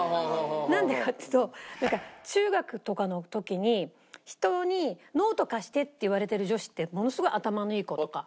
なんでかっつうとなんか中学とかの時に人に「ノート貸して」って言われてる女子ってものすごい頭のいい子とか。